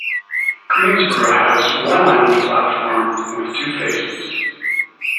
Greensborough has one island platform with two faces.